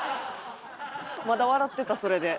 まだ笑ってたそれで。